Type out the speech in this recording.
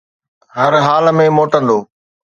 هر حال ۾ موٽندو.